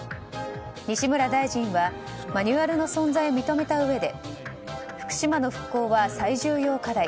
西村大臣はマニュアルの存在を認めたうえで福島の復興は最重要課題。